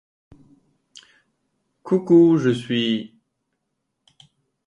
Bonner was also known as Cleo Glenn in order to protect her privacy.